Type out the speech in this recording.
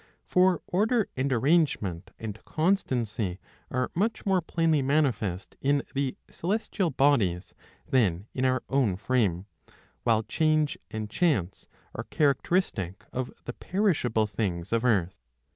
For order and arrangement and constancy are much more plainly manifest in the celestial bodies than in our own frame ; while change and chance are characteristic of the perishable things of earth.